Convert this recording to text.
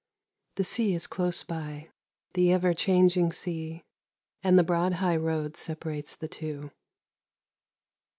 The sea is close by, the ever changing sea, and the broad high road separates the two.